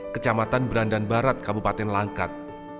kecamatan berandan barat kabupaten langkat